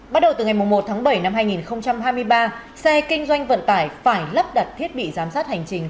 bắt đầu từ ngày một tháng bảy năm hai nghìn hai mươi ba xe kinh doanh vận tải phải lắp đặt thiết bị giám sát hành trình